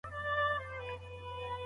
ولور معافول بد کار نه دی.